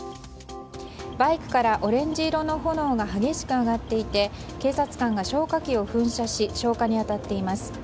バイクからオレンジ色の炎が激しく上がっていて警察官が消火器を噴射し消火に当たっています。